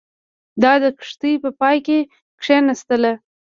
دا د کښتۍ په پای کې کښېناستله.